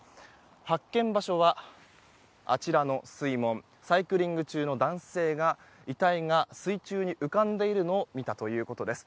発見場所は、あちらの水門をサイクリング中の男性が遺体が水中に浮かんでいるのを見たということです。